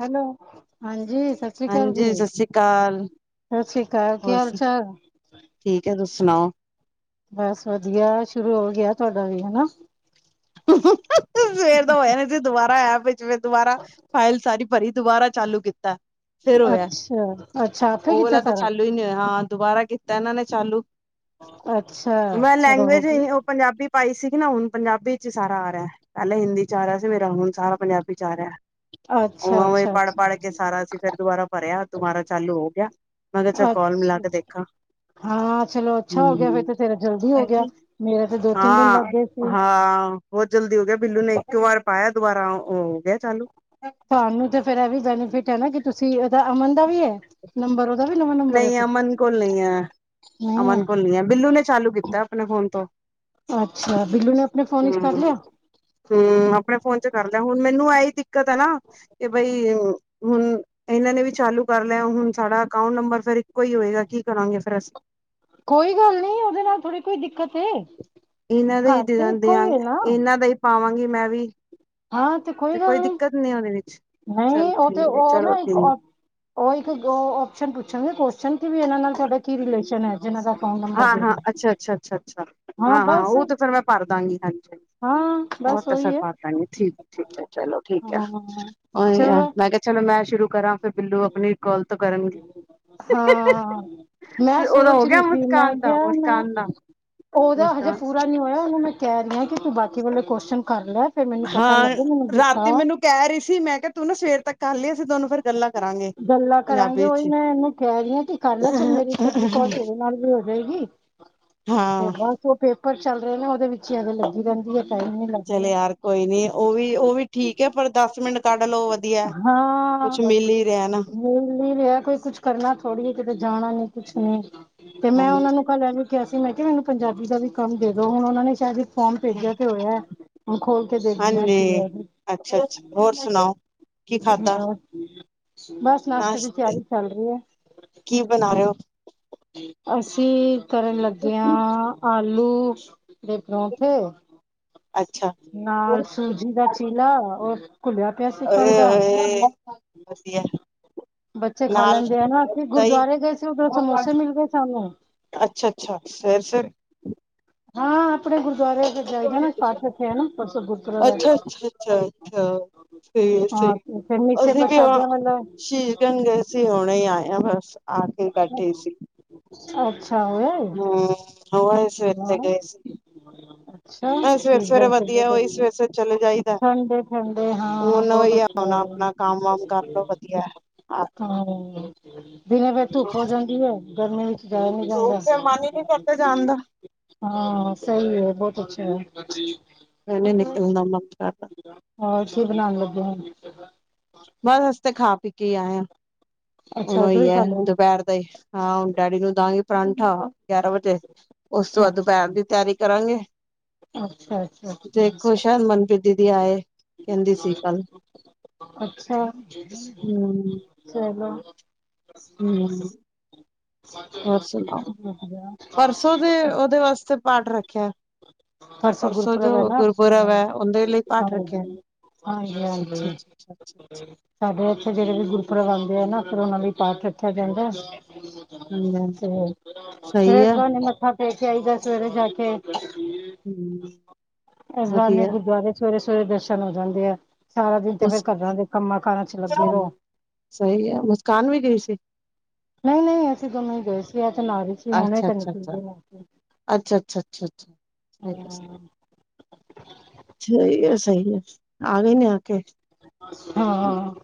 Hello. ਹਾਂਜੀ ਸਤਿ ਸ੍ਰੀ ਆਕਾਲ ਜੀ, ਹਾਂਜੀ ਸਤਿ ਸ੍ਰੀ ਅਕਾਲ ਸਤਿ ਸ੍ਰੀ ਆਕਾਲ। ਕੀ ਹੋਰ ਹਾਲ ਚਾਲ? ਠੀਕ ਏ। ਤੁਸੀਂ ਸੁਣਾਓ? ਬਸ ਵਧੀਆ। ਸ਼ੁਰੂ ਹੋ ਗਿਆ ਤੁਹਾਡਾ ਵੀ ਹਨਾ। ਸਵੇਰ ਦਾ ਹੋਆ ਸੀ, ਦੁਬਾਰਾ ਐਪ ਵਿੱਚ, ਦੁਬਾਰਾ ਫਾਈਲ ਸਾਰੀ ਭਰੀ ਦੁਬਾਰਾ ਚਾਲੂ ਕੀਤਾ। ਫਿਰ ਹੋਇਆ, ਅੱਛਾ ਅੱਛਾ ਆਪੇ ਉਹ ਕੀਤਾ ਵਾਲਾ ਤਾਂ ਸਾਰਾ ਚਾਲੂ ਹੀ ਨਹੀਂ ਹੋਇਆ ਹਾਂ ਦੁਬਾਰਾ ਕੀਤਾ ਇਹਨਾਂ ਨੇ ਚਾਲੂ। ਅੱਛਾ। ਮੈਂ ਚਲੋ ਲੈਂਗੁਏਜ ਵਧੀਆ। ਉਹ ਪੰਜਾਬੀ ਪਾਈ ਸੀਗੀ ਨਾ ਹੁਣ, ਪੰਜਾਬੀ ਸਾਰਾ ਆ ਰਿਹਾ, ਪਹਿਲਾਂ ਹਿੰਦੀ 'ਚ ਆ ਰਿਹਾ ਸੀ, ਮੇਰਾ ਹੁਣ ਸਾਰਾ ਪੰਜਾਬੀ 'ਚ ਆ ਰਿਹਾ। ਅੱਛਾ ਨੌਂ ਵਜੇ ਅੱਛਾ ਅੱਛਾ ਪੜ੍ਹ-ਪੜ੍ਹ ਕੇ ਸਾਰਾ ਅਸੀਂ ਫਿਰ ਦੁਬਾਰਾ ਭਰਿਆ ਦੁਬਾਰਾ ਚਾਲੂ ਹੋ ਗਿਆ। ਮੈਂ ਕਹਿਆ ਚੱਲ ਕਾਲ ਮਿਲਾ ਕੇ ਅੱਛਾ ਦੇਖਾ। ਹਾਂ ਚਲੋ ਅੱਛਾ ਹੋ ਗਿਆ ਫਿਰ ਤੇ ਤੇਰਾ ਜਲਦੀ ਹੋ ਹਾਂਜੀ ਗਿਆ, ਮੇਰਾ ਤੇ ਦੋ ਤਿੰਨ ਦਿਨ ਲੱਗ ਹਾਂ ਗਏ ਸੀ। ਹਾਂ ਬਹੁਤ ਜਲਦੀ ਹੋ ਗਿਆ ਬਿੱਲੂ ਨੇ ਇੱਕ ਵਾਰ ਪਾਇਆ ਦੁਬਾਰਾ ਉਹ ਹੋ ਗਿਆ ਚਾਲੂ। ਤੁਹਾਨੂੰ ਤੇ ਫੇਰ ਇਹ ਵੀ ਬੈਨੀਫਿਟ ਹੈ ਨਾ ਕਿ ਤੁਸੀਂ ਇਹਦਾ, ਅਮਨ ਦਾ ਵੀ ਐ? ਨਹੀਂ ਅਮਨ ਕੋਲ ਨਹੀਂ ਐ। ਨਹੀਂ ਅਮਨ ਕੋਲ ਨਹੀ ਐ, ਬਿੱਲੂ ਨੇ ਚਾਲੂ ਕੀਤਾ ਆਪਣੇ ਫੋਨ ਤੋਂ ਅੱਛਾ, ਬਿੱਲੂ ਨੇ ਆਪਣੇ ਫੋਨ ਵਿਚ ਕਰ ਲਿਆ? ਹੂੰ ਆਪਣੇ ਫੋਨ 'ਚ ਕਰ ਲਿਆ ਹੁਣ ਮੈਨੂੰ ਐਹੀ ਦਿੱਕਤ ਏ ਨਾ। ਕਿ ਬਈ ਹੁਣ ਇਹਨਾਂ ਨੇ ਵੀ ਚਾਲੂ ਕਰ ਲਿਆ। ਹੁਣ ਸਾਡਾ ਅਕਾਊਂਟ ਨੰਬਰ ਫਿਰ ਇੱਕੋ ਈ ਹੋਏਗਾ। ਕੀ ਕਰਾਂਗੇ ਫੇਰ ਅਸੀਂ। ਕੋਈ ਗੱਲ ਨ। ਉਹਦੇ ਨਾਲ ਥੋੜ੍ਹੀ ਕੋਈ ਦਿੱਕਤ ਐ। ਇਹਨਾਂ ਦਾ ਹੀ ਦਿਆਂ ਦੇਂਦੇ ਆ। ਇਹਨਾਂ ਦਾ ਹੀ ਪਾਵਾਂਗੀ ਮੈਂ ਵੀ। ਹਾਂ ਤੇ ਕੋਈ ਗੱਲ ਨੀ, ਚਲ ਨਹੀਂ ਉਹ ਤੇ ਠੀਕ ਹੈ, ਉਹ ਚਲੋ ਨਾ ਇੱਕ ਠੀਕ ਉਹ ਇੱਕ ਉਹ ਔਪਸ਼ਨ ਪੁੱਛਣਗੇ ਕੁਸ਼ਚਨ ਕਿ ਵੀ ਇਹਨਾਂ ਨਾਲ ਤੁਹਾਡਾ ਕੀ ਰਿਲੇਸ਼ਨ ਐ। ਜਿਨਾਂ ਦਾ ਅਕਾਊਂਟ ਹਾਂ ਨੰਬਰ ਦੇ -ਹਾਂ ਦੇ ਅੱਛਾ-ਅੱਛਾ-ਅੱਛਾ-ਅੱਛਾ ਹਾਂ ਹਾਂ-ਹਾਂ ਬਸ ਉਹ ਤੇ ਫੇਰ ਮੈਂ ਭਰ ਦਾਂਗੀ ਹਾਂਜੀ। ਹਾਂ ਬਸ ਓਹੀ ਏ। ਹਾਂਜੀ ਠੀਕ-ਠੀਕ ਏ ਚਲੋ ਠੀਕ ਆ, ਹਾਂ ਚਲੋ ਮੈਂ ਕਿਹਾ ਚਲੋ ਮੈਂ ਸ਼ੁਰੂ ਕਰਾਂ ਫਿਰ ਬਿੱਲੂ ਆਪਣੀ ਕੋਲ ਤੋਂ ਕਰਨਗੇ। ਹਾਂ ਮੈਂ ਉਹਦਾ ਹੋ ਸੋਚ ਗਿਆ ਰਹੀ ਸੀ। ਮੈਂ ਮੁਸਕਾਨ ਦਾ ਕਿਹਾ ਮੈਂ ਮੁਸਕਾਨ ਦਾ ਉਹਦਾ ਹਜੇ ਮੁਸਕਾਨ ਪੂਰਾ ਨੀ ਹੋਇਆ। ਉਹਨੂੰ ਮੈਂ ਕਹਿ ਰਹੀ ਆ ਕਿ ਤੂੰ ਬਾਕੀ ਵਾਲੋਂ ਕੁਸ਼ਚਨ ਕਰ ਲੈ। ਫੇਰ ਮੈਨੂੰ ਪਤਾ ਹਾਂ ਲੱਗੇ ਮੈਨੂੰ ਦਿਖਾ ਰਾਤੀ ਮੈਨੂੰ ਕਹਿ ਰਹੀ ਸੀ। ਮੈਂ ਕਿਹਾ ਤੂੰ ਨਾ ਸਵੇਰ ਤੱਕ ਕਰ ਲੀ। ਅਸੀ ਦੋਨੋ ਫਿਰ ਗੱਲਾ ਕਰਾਂਗੇ, ਉਹੀ ਮੈਂ ਇਹਨੂੰ ਕਹਿ ਰਹੀ ਐ ਕਿ ਕਰਲਾ ਕਿ ਚੱਲ [unintelligible] ਤੇਰੇ ਨਾਲ ਵੀ ਹੋਗੀ। ਦੇਗੀ। ਹਾਂ। ਬਸ ਉਹ ਪੇਪਰ ਚੱਲ ਰਹੇ ਨੇ ਉਹਦੇ ਵਿੱਚ ਹੀ ਐਵੇਂ ਲੱਗੀ ਰਹਿੰਦੀ ਐ। ਟਾਈਮ ਨੀ। ਲੱਗ ਚੱਲ ਰਿਹਾ ਯਾਰ ਕੋਈ ਨੀ ਉਹ ਵੀ ਉਹ ਵੀ ਠੀਕ ਐ। ਪਰ ਦਸ ਮਿੰਟ ਕੱਢ ਲਓ ਵਧੀਆ। ਕੁਛ ਹਾਂ ਮਿਲ ਹੀ ਰਿਹਾ ਨਾ। ਮਿਲ ਨ ਰਿਹਾ ਕੋਈ ਕੁਛ ਕਰਨਾ ਥੋੜੀ ਏ ਕਿਤੇ ਜਾਣਾ ਨੀ ਕੁਛ ਨੀ। ਤੇ ਮੈਂ ਉਹਨਾ ਨੂੰ ਹਾਂਜੀ। ਕੱਲ ਐਵੀ ਕਿਹਾ ਸੀਂ ਮੈਂ ਕਿਹਾ ਮੈਨੂੰ ਪੰਜਾਬੀ ਦਾ ਵੀ ਕੰਮ ਦੇ ਦੋ। ਹੁਣ ਉਹਨਾਂ ਨੇ ਸ਼ਾਇਦ ਫੋਨ ਭੇਜਿਆ ਤੇ ਹੋਇਆ ਹੁਣ ਖੋਲ ਕੇ ਦੇਖਦੀਆਂ ਆ ਕੀ ਆ। ਅੱਛਾ-ਅੱਛਾ, ਹੋਰ ਸੁਣਾਓ ਕੀ ਖਾਧਾ? ਬਸ ਬਸ ਨਾਸ਼ਤੇ ਦੀ ਤਿਆਰੀ ਚੱਲ ਰਹੀ ਐ। ਕੀ ਬਣਾ ਰਹੇ ਓ? ਅਸੀਂ ਕਰਨ ਲੱਗੇ ਆ ਹੋ ਆਲੂ ਦੇ ਪਰੌਠੇ ਅੱਛਾ ਨਾਲ ਸੂਜੀ ਦਾ ਚੀਲਾ ਔਰ ਘੁੱਲਿਆ ਪਿਆ ਸੀ ਕੱਲ ਦਾ। ਅ ਵਧੀਆ ਬੱਚੇ ਖਾ ਨਾਲ ਲੈਂਦੇ ਆ ਕੇ। ਦਹੀਂ ਗੁਰਦੁਆਰੇ ਗਏ ਸੀ ਉੱਧਰੋਂ ਸਮੋਸੇ ਮਿਲ ਸਾਨੂੰ ਅੱਛਾ-ਅੱਛਾ, ਸਵੇਰ-ਸਵੇਰੇ ਹਾਂ ਆਪਣੇ ਗੁਰਦੁਆਰੇ। ਫਿਰ ਜਾਈਦਾ ਨਾ ਪਾਠ ਰੱਖਿਆ ਹੈ ਨਾ ਪਰਸੋਂ ਗੁਰਪੁਰਬ ਹੈ ਅੱਛਾ-ਅੱਛਾ-ਅੱਛਾ-ਅੱਛਾ। ਸਹੀ ਆ ਸਹੀ ਹਾਂ ਫਿਰ ਆ, ਮਿੱਸੇ ਅਸੀਂ ਵੀ ਹ ਪ੍ਰਸ਼ਾਦਿਆਂ ਵਾਲਾ ਸ਼ ਕ ਗਏ ਸੀ, ਹੁਣੇ ਹੀ ਆਏਆ, ਬਸ ਆ ਕੇ ਬੈਠੇ ਸੀ। ਅੱਛਾ ਹੋਇਆ ਏ ਹੂੰ ਹਾਂ ਅਸੀਂ ਉੱਥੇ ਵਾਹ ਗਏ ਸੀ। ਅੱਛਾ ਹ ਠੀਕ ਹੈ ਸਵੇਰੇ-ਸਵੇਰੇ ਫਿਰ ਵਧੀਆ, ਬਹੁਤ ਉਹੀ ਅੱਛਾ ਸਵੇਰੇ-ਸਵੇਰੇ ਚਲੇ ਜਾਈਦਾ। ਠੰਡੇ ਠੰਡੇ ਹਾਂ ਹੁਣ ਬਹੁਤ ਉਹੀ ਅੱਛਾ ਹੁਣਾ ਹੈ ਆਪਣਾ ਕੰਮ ਵਾਮ ਕਰਲੋ ਵਧੀਆ। ਹਾਂ ਉਹ ਦਿਨੇ ਫੇਰ ਧੁੱਪ ਹੋ ਜਾਂਦੀ ਐ। ਗਰਮੀ ਵਿੱਚ ਜਾਇਆ ਨੀ ਜਾਂਦਾ। ਫਿਰ ਮਨ ਹੀ ਨੀ ਕਰਦਾ ਜਾਣ ਦਾ [unintelligible] ਹਾਂ ਸਹੀ ਹੈ ਬਹੁਤ ਅੱਛਾ। ਪਹਿਲੇ ਨਿਕਲਣਾ ਮਤ। ਹੋਰ ਕੀ ਬਣਾਦੇ ਪਏ ਓ। ਬੱਸ ਅਸੀ ਤੇ ਖਾ ਪੀ ਕੇ ਆਏਆ, ਅੱਛਾ ਉਨੂੰ ਉਧਰੋਂ ਹੀ ਐ ਖਾ ਲਿਆ ਦੁਪਹਿਰ ਦਾ ਈ ਹਾਂ ਡੈਡੀ ਨੂੰ ਦਹੀਂ ਪਰਾਂਠਾ ਗਿਆਰਾਂ ਵਜੇ ਉਸ ਤੋਂ ਬਾਦ ਦੁਪਹਿਰ ਦੀ ਤਿਆਰੀ ਕਰਾਂਗੇ। ਅੱਛਾ-ਅੱਛਾ, ਅੱਛਾ। ਅੱਛਾ ਦੇਖੋ ਸ਼ਾਇਦ ਮਨਪ੍ਰੀਤ ਦੀਦੀ ਆਏ। ਕਹਿੰਦੀ ਸੀ ਕੱਲ ਅੱਛਾ, ਹਮ ਚਲੋ। ਹਮ, ਹੋਰ ਸੁਣਾਓ। ਵਧੀਆ ਪਰਸੋਂ ਦੇ ਉਹਦੇ ਵਾਸਤੇ ਪਾਠ ਰੱਖਿਆ, ਪਰਸੋਂ ਜੋ ਗੁਰਪੁਰਬ ਹੈ ਨਾ ਗੁਰਪੂਰਬ ਐ ਉਹਦੇ ਲਈ ਪਾਠ ਰੱਖਿਆ। ਅੱਛਾ ਹਾਂਜੀ-ਹਾਂਜੀ। ਅੱਛਾ ਅੱਛਾ ਅੱਛਾ ਸਾਡੇ ਇੱਥੇ ਜਿਹੜੇ ਵੀ ਗੁਰਪੂਰਬ ਆਂਦੇ ਆ ਨਾ ਫਿਰ ਉਹਨਾ ਲਈ ਪਾਠ ਰੱਖਿਆ ਜਾਂਦਾ ਐ। ਹਾਂਜੀ ਫਿਰ ਸਹੀ ਇਸ ਹੈ ਬਹਾਨੇ ਮੱਥਾ ਟੇਕ ਆਈਦਾ ਸਵੇਰੇ ਜਾ ਕੇ। ਹਮ। ਇਸ ਬਹਾਨੇ ਵਧੀਆ ਗੁਰਦੁਆਰੇ ਸਵੇਰੇ-ਸਵੇਰੇ ਦਰਸ਼ਨ ਹੋ ਜਾਂਦੇ ਆ। ਸਾਰਾ ਦਿਨ ਤੇ ਫੇਰ ਮੁਸ ਘਰਾਂ ਕੰਮਾਂ ਕਾਰਾਂ 'ਚ' ਲੱਗੇ ਰਹੋ। ਸਹੀ ਐ, ਮੁਸਕਾਨ ਵੀ ਗਈ ਸੀ। ਨਹੀਂ-ਨਹੀਂ ਅਸੀਂ ਦੋਨੋਂ ਹੀ ਗਏ ਸੀ ਐਥੇ ਨਾਲ ਹੀ ਸੀ ਹੁਣੇ ਅੱਛਾ-ਅੱਛਾ, ਤਾਂ ਨਿਕਲ ਅੱਛਾ-ਅੱਛਾ, ਗਏ ਅੱਛਾ-ਅੱਛਾ, ਅੱਛਕ ਸਹੀ ਐ, ਸਹੀ ਐ ਆ ਗੲੇ ਨਿਆ। ਹਾਂ, ਆ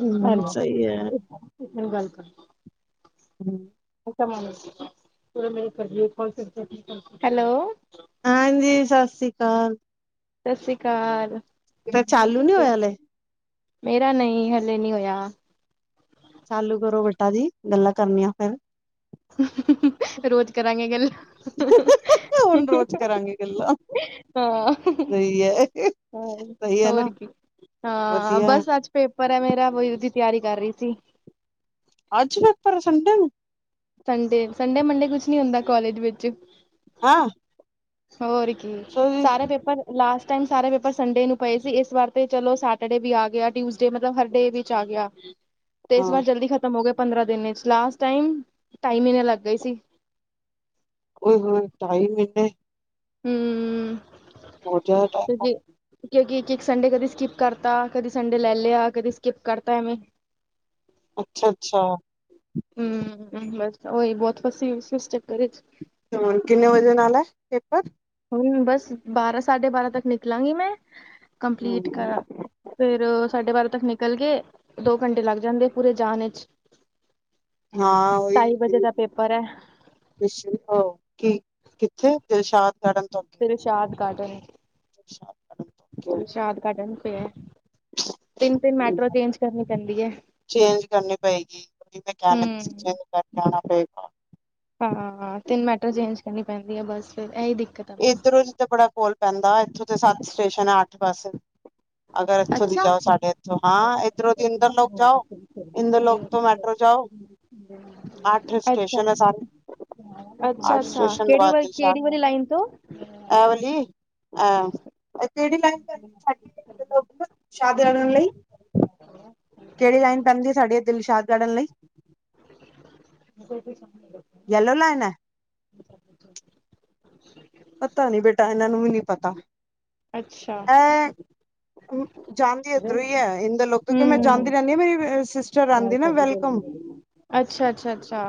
ਹਮ ਸਹੀ ਹੈ ਇਹਨੂੰ ਗੱਲ ਕਰੋ। ਹਮ। [unintelligible] ਨ ਮੇ ਕਰਦੀ, ਹੈਲੋ। ਹਾਂਜੀ ਸਾਸੀ ਕਾਲ। ਸਸੀ ਕਾਲ। ਦਾ ਚਾਲੂ ਨੀ ਹੋਇਆ ਹਾਲੇ। ਮੇਰਾ ਨਹੀਂ ਹਲੇ ਨਹੀ ਹੋਇਆ। ਚਾਲੂ ਕਰੋ ਬੇਟਾ ਜੀ, ਗੱਲਾਂ ਕਰਨੀਆਂ ਫਿਰ [unintelligible] ਰੋਜ਼ ਕਰਾਂਗੇ ਗੱਲ। [unintelligible] ਹੁਣ ਰੋਜ਼ ਕਰਾਂਗੇ ਗੱਲਾਂ, ਸਹੀ ਐ। ਹੋਰ-ਹੋਰ ਕੀ ਹਾਂ ਵਧੀਆ ਬੱਸ ਅੱਜ ਪੇਪਰ ਐ ਮੇਰਾ ਉਹਦੀ ਤਿਆਰੀ ਕਰ ਰਹੀ ਸੀ। ਅੱਜ ਪੇਪਰ ਆ ਸੰਡੇ ਨੂੰ ਸੰਡੇ, ਸੰਡੇ-ਮੰਡੇ ਕੁਛ ਨੀ ਹੁੰਦਾ ਕਾਲਜ ਵਿੱਚ ਹਾਂ। ਹੋਰ ਕੀ, ਸੋਰੀ ਸਾਰੇ ਪੇਪਰ ਲਾਸਟ ਟਾਈਮ ਸਾਰੇ ਪੇਪਰ ਸੰਡੇ ਨੂੰ ਪਏ ਸੀ। ਇਸ ਵਾਰ ਤੇ ਚਲੋ ਸੈਟਰਡੇ ਵੀ ਆ ਗਿਆ ਟਿਊਜ਼ਡੇ ਮਤਲਬ ਹਰਡੇ ਵਿੱਚ ਆ ਗਿਆ। [inaudible] ਤੇ ਇਸ ਬਾਾਰ ਜਲਦੀ ਖ਼ਤਮ ਹੋ ਗਏ ਪੰਦਰਾਂ ਦਿਨ 'ਚ' ਲਾਸਟ ਟਾਈਮ ਟਾਈ ਮਹੀਨੇ ਲੱਗ ਗਈ ਸੀ। ਓਏ ਹੋਏ ਢਾਈ ਮਹੀਨੇ ਹਮ, ਬਹੁਤ ਜ਼ਿਆਦਾ ਕਿਉਂ ਟਾਈਮ ਕਿ ਕਿਉਂਕਿ ਇੱਕ-ਇੱਕ ਸੰਡੇ ਕਦੀ ਸਕਿੱਪ ਕਰਤਾ। ਕਦੀ ਸੰਡੇ ਲੈ ਲਿਆ। ਕਦੀ ਸਕਿੱਪ ਕਰਤਾ ਐਵੇਂ ਅੱਛਾ-ਅੱਛਾ। ਹਮ ਬੱਸ ਓਹੀ ਬਹੁਤ ਫਸੀ ਹੋਈ ਸੀ ਇਸ ਚੱਕਰ 'ਚ' ਕਿੰਨੇ ਵਜੇ ਨਾਲ ਐ ਪੇਪਰ। ਹੁਣ ਬੱਸ ਬਾਰਾਂ, ਸਾਢੇ ਬਾਰਾਂ ਤੱਕ ਨਿਕਲਾਂਗੀ ਮੈਂ ਕੰਪਲੀਟ ਕ ਫੇਰ ਸਾਡੇ ਬਾਰਾਂ ਤੱਕ ਨਿਕਲ ਕੇ, ਦੋ ਘੰਟੇ ਲੱਗ ਜਾਂਦੇ ਪੂਰੇ ਜਾਣ ਵਿੱਚ। ਹਾਂ ਓਹੀ ਢਾਈ ਤੇ। ਵਜੇ ਦਾ ਪੇਪਰ ਹੈ ਹ ਕੀ ਕਿੱਥੇ ਦਿਲਸ਼ਾਂਟ ਤੋਂ ਅਗੇ [unintelligible] ਫਸ਼ਾਦ ਘਾਟ [unintelligible] ਅਛਾ। [unintelligible] [unintelligible] ਗਾਰਡਨ ਵਿੱਚ [unintelligible] ਤਿੰਨ- ਤਿੰਨ ਅੱਗੇ ਮੈਟਰੋ ਚੇਂਜ ਕਰਨੀ ਪੈਂਦੀ ਹੈ ਚੇਂਜ ਕਰਨੀ ਪਏਗੀ, ਉਹ ਵੀ ਮੈਂ ਕਹਿ ਲੱਗੀ ਚੇਂਜ ਹੂੰ ਕਰਨਾ ਨਾਂ ਪਏ। ਹਾਂ, ਤਿੰਨ ਮੈਟਰੋ ਚੇਂਜ ਕਰਨੀ ਪੈਂਦੀ ਹੈ ਬਸ ਫਿਰ ਇਹੀ ਦਿੱਕਤ ਆ। ਬਸ ਇੱਧਰੋਂ ਦੀ ਤੇ ਬੜਾ ਕੋਲ ਪੈਂਦਾ ਇੱਥੋਂ ਤੇ ਸੱਤ ਸਟੇਸ਼ਨ ਆ ਅੱਠ ਬਸ। ਅਗਰ ਇੱਥੋਂ ਦੀ ਅੱਛਾ ਜਾਓ ਸਾਢੇ ਇੱਥੋਂ ਹਾਂ ਇੱਧਰੋਂ ਦੀ ਇੰਦਰ ਲੋਕ ਜਾਓ ਇੰਦਰ ਲੋਕ ਤੋਂ ਮੈਟਰੋ ਜਾਓ। ਅੱਠ ਸਟੇਸ਼ਨ ਸਾਰੇ। ਅੱਠ ਅੱਛਾ-ਅੱਛਾ ਕਿਹੜੀ ਵਾਲੀ, ਕਿਹੜੀ ਵਾਲੀ ਲਾਈਨ ਤੋਂ ਆਵਲੀ, ਆਹ, ਕਿਹੜੀ ਲਾਈਨ 'ਚ ਛੱਡ ਸ਼ਾਦ ਰ [unintelligible] ਲਈ ਕਿਹੜੀ ਲਾਈਨ ਪੈਦੀ ਦਿਲਸ਼ਾਦੈ [unintelligible] ਕੱਢਣ ਲਈ ਯੈਲੋ ਲਾਈਨ ਹੈ [inaudible] ਪਤਾ ਨੀ ਬੇਟਾ, ਐਨਾ ਨੂੰ ਵੀ ਨੀ ਪਤਾ। ਅੱਛਾ। ਜਾਂਣਦੀ ਇੱਧਰੋਂ ਹੀ ਹੂੰ। ਹੈ, ਇੰਦਰ ਲੁ ਤੋਂ ਮੈਂ ਜਾਂਦੀ ਰਹਿੰਦੀ ਹਾਂ ਮੇਰੀ [unintelligible] ਆਉਂਦੀ ਨਾ ਵੈਲਕਮ ਅੱਛਾ- ਅੱਛਾ -ਅੱਛਾ,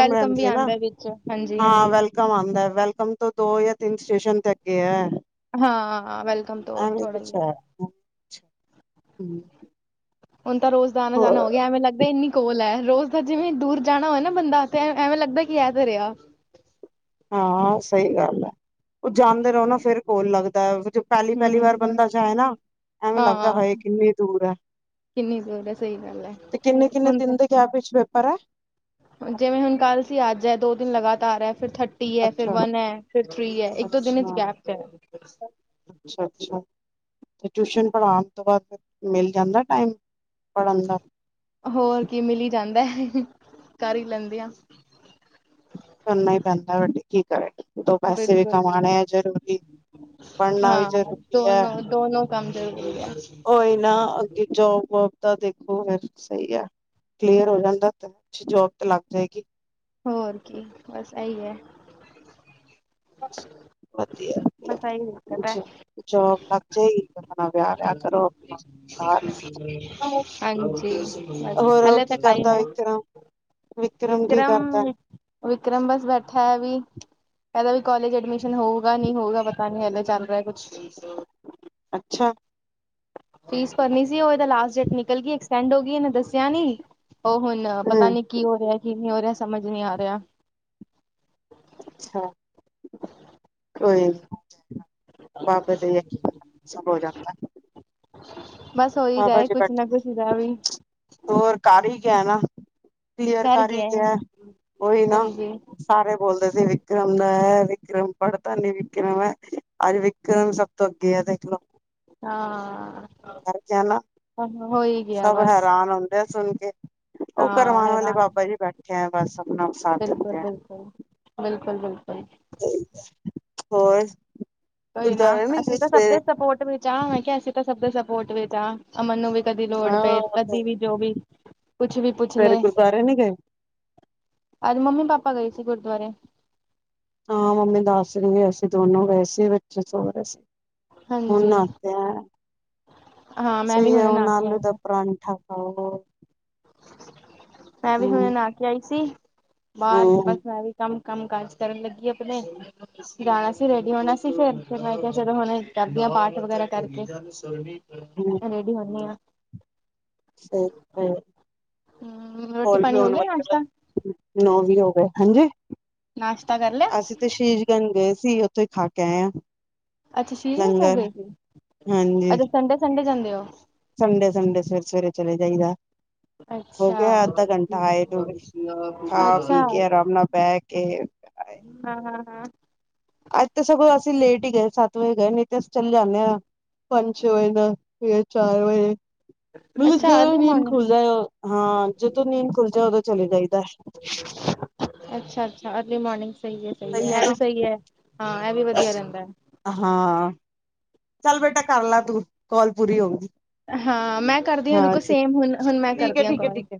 ਵੈਲਕਮ ਵੀ ਆਉਂਦਾ ਵਿੱਚ। ਹਾਂਜੀ -ਹਾਂਜੀ। ਕਮ ਆਉਂਦਾ ਹੈ ਵੈਲਕਮ ਤੋਂ ਦੋ ਜਾਂ ਤਿੰਨ ਸਟੇਸ਼ਨ ਤੇ ਅੱਗੇ ਹੈ। ਹਾਂ ਵੈਲਕਮ ਤੋਂ ਥੋੜਾ ਹੀ ਆ। ਅੱਛਾ, ਹਮ। ਹੁਣ ਤਾਂ ਰੋਜ਼ਦਾ ਆਣਾ -ਜਾਣਾ ਹੋ ਗਿਆ, ਐਵੇਂ ਲੱਗਦਾ ਈ ਨੀ ਕੋਲ ਹੈ ਰੋਜ਼ ਦਾ ਜਿਵੇਂ ਦੂਰ ਜਾਣਾ ਹੋਵੇ ਬੰਦਾ ਤੇ ਫਿਰ ਐਵੇਂ ਲੱਗਦਾ ਕਿ ਇਹ ਤੇ ਰਿਹਾ। ਹਾਂ ਸਹੀ ਗੱਲ ਹੈ, ਉਹ ਜਾਂਦੇ ਰਹੋ ਨਾ ਫਿਰ ਕੋਲ ਲੱਗਦਾ। ਪਹਿਲੀ -ਪਹਿਲੀ ਵਾਰ ਹੂੰ ਬੰਦਾ ਜਾਏ ਨਾ, ਐਵੇਂ ਲੱਗਦਾ ਹਾਂ ਹਏ ਕਿੰਨੀ ਦੂਰ ਹੈ। ਕਿੰਨੀ ਦੂਰ ਐ ਸਹੀ ਗੱਲ ਹੈ, ਹੁਣ ਜਾਂ ਪਿਛਲੇ ਪੈਹਰ ਹੈ। ਜਿਵੇਂ ਹੁਣ ਕੱਲ੍ਹ ਸੀ ਅੱਜ ਹੈ ਦੋ ਦਿਨ ਲਗਾਤਾਰ ਹੈ ਫਿਰ ਥ ਟੀ ਹੈ, ਫਿਰ ਅੱਛਾ ਵਨ ਹੈ, ਫਿਰ ਥ੍ਰੀ ਹੈ, ਇੱਕ -ਦੋ ਦਿਨ ਚ ਅੱਛਾ ਗੈਪ ਅੱਛਾ -ਅੱਛਾ, ਤੇ ਟਿਊਸ਼ਨ ਪੜ੍ਹਾਉਣ ਤੋਂ ਬਾਅਦ ਮਿਲ ਜਾਂਦਾ ਟਾਈਮ। ਪੜਨ ਦਾ। ਹੋਰ ਕੀ ਮਿਲ ਹੀ ਜਾਂਦਾ ਹੈ ਕਰ ਹੀ ਲੈਂਦੇ ਆ। ਕਰਨਾ ਹੀ ਪੈਂਦਾ। ਠੀਕ ਹੈ ਦੋ ਪੈਸੇ ਵੀ ਬਿਲਕੁਲ ਕਮਾਉਣੇ ਬਿਲਕੁਲ ਹੈ ਜਰੂਰੀ, ਪੜਨਾ ਵੀ ਹਾਂ ਜ਼ਰੂਰੀ ਹੈ। ਦੋਨੋ ਦੋਨੋ ਕੰਮ ਜ਼ਰੂਰੀ ਹੈ। ਕੋਈ ਨਾ ਅੱਗੇ ਜੋਬ ਤਾਂ ਦੇਖੋ ਫਿਰ ਸਹੀ ਆ, ਕਲੀਅਰ ਹੋ ਜਾਂਦਾ ਤਾਂ ਜੋਬ ਤੇ ਲੱਗ ਜਾਏਗੀ। ਹੋਰ ਕੀ ਆ, ਬਸ ਏਹੀ ਆ। ਬਸ ਵਧੀਆ, ਇਹੀ ਦਿੱਕਤ ਹੈ ਜੋਬ ਲੱਗ ਜਾਏਗੀ। ਆਪਣਾ ਵਿਆਹ ਵਿਆਹ ਕਰੋ ਆਪਣਾ ਘਰ [unintelligible] ਹਾਂਜੀ, ਹੋਰ ਉਹ ਹਾਲੇ। ਕੀ ਕਰਦਾ ਵਿਕਰਮ, ਵਿਕਰਮ ਕੀ ਕਰਦਾ। ਵਿਕਰਮ ਬਸ ਬੈਠਾ ਹੈ ਵੀ। ਇਹਦਾ ਵੀ ਕਾਲਜ ਐਡਮਿਸ਼ਨ ਹੋਊਗਾ ਨੀ ਹੋਊਗਾ ਪਤਾ ਨੀ ਏਦਾਂ ਚੱਲ ਰਿਹਾ ਕੁਛ। ਅੱਛਾ ਫੀਸ ਭਰਨੀ ਸੀ, ਉਹ ਇਹਦਾ ਲਾਸਟ ਡੇਟ ਨਿਕਲ ਗਈ ਐਕਸਟੈਂਡ ਹੋ ਗਈ। ਇਹਨੇ ਦੱਸਿਆ ਨੀ। ਉਹ ਹੁਣ ਪਤਾ ਹਮ ਨੀ ਕੀ ਹੋ ਰਿਹਾ ਕੀ ਨਹੀਂ ਹੋ ਰਿਹਾ, ਸਮਝ ਨਹੀਂ ਆ ਰਿਹਾ। ਅੱਛਾ, ਕੋਈ ਨੀ। [unintelligible] ਬਸ ਉਹੀਦਾ ਬਾਬਾ ਆ, ਜੀ ਕੁਛ ਬੈਠੇ ਨਾ ਕੁਛ ਦਾ ਵੀ। ਹੋਰ ਕਰ ਹੀ ਗਿਆ ਨਾ, ਕਲੀਅਰ ਕਰ ਹੀ ਗਿਆ ਉਹੀ ਨਾ। ਹਾਂਜੀ ਸਾਰੇ ਬੋਲਦੇ ਸੀ ਵਿਕਰਮ ਐਂ, ਵਿਕਰਮ ਪੜ੍ਹਦਾ ਨੀ, ਵਿਕਰਮ ਐਂ। ਅੱਜ ਵਿਕਰਮ ਸ ਅੱਗੇ ਆ ਦੇਖਲੋ। ਹਾਂ ਜਾ ਨਾ, ਹੋ ਹੀ ਗਿਆ ਸਭ ਬਸ ਹੈਰਾਨ ਹੁੰਦੇ ਆ ਸੁਣ ਕੇ। ਉਹ ਹਾਂ ਕਰਵਾਣ ਵਾਲੇ ਹੈਰਾਨ ਬਾਬਾ ਜੀ ਬੈਠੇ ਆ ਬਸ, ਆਪਣਾ ਸਾਥ ਦਿੰਦੇ ਆ। ਬਿਲਕੁਲ-ਬਿਲਕੁਲ ਹੋਰ ਕੋਈ ਨਾ ਗੁਰਦੁਆਰੇ ਨੀ ਅਸੀਂ ਗਏ ਤਾਂ ਸਭ ਦੇ ਸਵੇਰੇ ਸਪੋਰਟ ਵਿੱਚ ਹਾਂ। ਮੈਂ ਕਿਹਾ ਅਸੀਂ ਤਾਂ ਸਭ ਦੇ ਸਪੋਰਟ ਵਿੱਚ ਹਾਂ। ਅਮਨ ਨੂੰ ਵੀ ਕਦੀ ਲੋੜ ਹਾਂ ਪਏ, ਕਦੀ ਵੀ ਜੋ ਵੀ ਕੁਛ ਵੀ ਪੁੱਛ ਸਵੇਰੇ ਲਏ। ਗੁਰਦੁਆਰੇ ਨੀ ਗਏ ਅੱਜ ਮੰਮੀ ਪਾਪਾ ਗਈ ਸੀ ਗੁਰਦੁਆਰੇ। ਹਾਂ, ਮੰਮੀ ਦੱਸ ਰਹੀ ਆ ਅਸੀ ਦੋਨੋ ਗਏ ਸੀ। ਬੱਚੇ ਸੋ ਰਹੇ ਸੀ। ਹੁਣ ਹਾਂਜੀ ਨਾਹਤੇ ਆ, ਹਾਂ ਮੈਂ ਵੀ ਸਹੀ ਐ ਹੁਣੇ ਹੁਣ ਨਹਾ ਕੇ ਆਲੂ ਆਈ ਦਾ ਹਾਂ ਪਰਾਂਠਾ। ਹੋਰ ਮੈਂ ਵੀ ਹੁਣੇ ਹਮ ਨਾਹ ਕੇ ਆਈ ਸੀ। ਬਾਹਰ ਬਸ ਹਮ ਵੀ ਕੰਮ-ਕੰਮ ਕਾਜ ਕਰਨ ਲੱਗੀਏ ਆਪਣੇ। ਅਸੀਂ ਜਾਣਾ ਸੀ ਰੈਡੀ ਹੋਣਾ ਸੀ ਫਿਰ, ਫਿਰ ਮੈਂ ਕਿਹਾ ਜਦੋ ਹੁਣ ਕਰਦੀ ਹਾ ਪਾਠ ਵਗੈਰਾ ਕਰਕੇ। [unintelligible] ਹਮ ਰੇਡੀ ਹੁੰਨੀ ਆ। ਹਮ ਰੋਟੀ ਪਾਣੀ ਹੋ [unintelligible] ਗਿਆ ਨਾਸ਼ਤਾ ਨੌ ਵੀਹ ਹੋ ਗਏ। ਹਾਂਜੀ ਨਾਸ਼ਤਾ ਕਰ ਲਿਆ। ਅਸੀਂ ਤੇ ਸ਼ੀਸ਼ਗੰਜ ਗਏ ਸੀ, ਉੱਥੇ ਖਾ ਕੇ ਆਏ ਆ। ਅੱਛਾ ਸ਼ਹੀਸ਼ਗੰਜ ਸਾਹਿਬ ਲੰਗਰ ਗਏ ਸੀ, ਅੱਛਾ ਸੰਡੇ- ਸੰਡੇ ਜਾਂਦੇ ਓ। ਸੰਡੇ-ਸੰਡੇ, ਸਵੇਰੇ-ਸਵੇਰੇ ਚਲੇ ਜਾਈਦਾ। ਹੋ ਗਿਆ ਅੱਛਾ ਅੱਧਾ ਘੰਟਾ ਆਏ ਦੋ ਵਜੇ, ਖਾ ਅੱਛਾ ਪੀ ਕੇ ਆਰਾਮ ਨਾਲ ਬਹਿ ਕੇ। ਆਏ। ਹਮ, ਹਾਂ-ਹਾਂ-ਹਾ। ਅੱਜ ਤਾਂ ਸਗੋਂ ਅਸੀਂ ਲੇਟ ਹੀ ਗਏ ਸੱਤ ਵਜੇ ਗਏ। ਨਹੀਂ ਤੇ ਅਸੀਂ ਚਲੇ ਜਾਂਣੇ ਆ ਪੰਜ-ਛੇ ਵਜੇ, ਫਿਰ ਚਾਰ ਵਜੇ। ਮਤਲਬ ਅੱਛਾ ਜਦੋਂ ਅਰਲੀ ਨੀਂਦ ਮੋਰਨਿੰਗ ਖੁੱਲ ਜਾਏ ਆ ਜਦੋਂ ਨੀਂਦ ਖੁੱਲ ਜੇ ਉਦੋਂ ਚਲੇ ਜਾਈਦਾ। ਅੱਛਾ-ਅੱਛਾ, ਅਰਲੀ ਮੋਰਨਿੰਗ ਸਹੀ ਐ ਸਹੀ ਐ। ਹੈ ਇਹ ਵੀ ਨਾ ਸਹੀ ਐ ਹਾਂ ਇਹ ਵੀ ਵਧੀਆ ਰਹਿੰਦੈ। ਹਾਂ, ਚੱਲ ਬੇਟਾ ਕਰ ਲੈ ਤੂੰ ਕੋਲ ਪੂਰੀ ਹੋਗੀ। ਹਾਂ, ਮੈਂ ਕਰਦੀ ਹਾਂ ਰੁਕੋ ਸੇਮ ਹੁ ਹੁਣ ਮੈਂ ਠੀਕ ਹੈ ਕਰਦੀ ਹਾ ਠੀਕ ਹੈ ਕੌਲ। ਠੀਕ ਹੈ